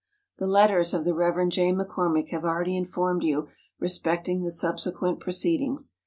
The letters of the Eev. J. McCormick have already informed you respecting the subsequent pro¬ ceedings.